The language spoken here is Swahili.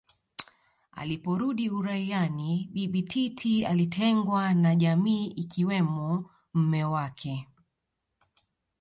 Aliporudi uraiani Bibi Titi alitengwa na jamii ikiwemo mme wake